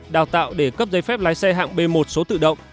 đào tạo để cấp giấy phép lái xe hạng b một số tự động